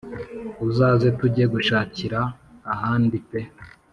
Uzaze tujye gushakira ahandi pe